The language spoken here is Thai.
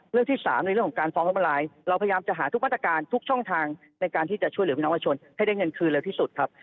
ที่๓ในเรื่องของการฟ้องล้มละลายเราพยายามจะหาทุกมาตรการทุกช่องทางในการที่จะช่วยเหลือพี่น้องประชาชนให้ได้เงินคืนเร็วที่สุดครับ